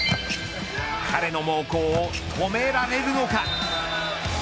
彼の猛攻を止められるのか。